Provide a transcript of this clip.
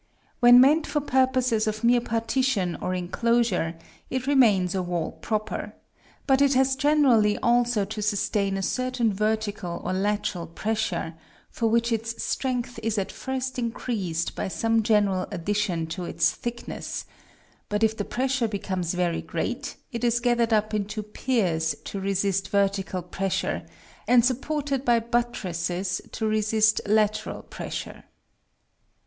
When meant for purposes of mere partition or enclosure, it remains a wall proper: but it has generally also to sustain a certain vertical or lateral pressure, for which its strength is at first increased by some general addition to its thickness; but if the pressure becomes very great, it is gathered up into piers to resist vertical pressure, and supported by buttresses to resist lateral pressure.